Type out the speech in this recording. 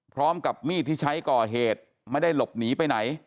พร้อมกับมีดที่ใช้ก่อเหตุไม่ได้หลบหนีไปไหน